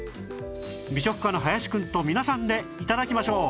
美食家の林くんと皆さんで頂きましょう